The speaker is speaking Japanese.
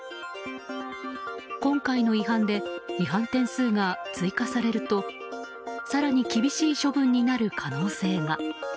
今回の違反で、違反点数が追加されると更に厳しい処分になる可能性が。